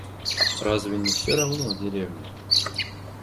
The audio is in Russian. Разве не все равно в деревне?